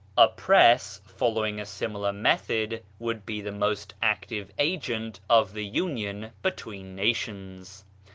A Press, following a similar method, would be the most active agent of the union between nations.